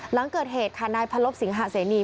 หลังเกิดเหตุค่ะณพระรวพศิงหาเสนี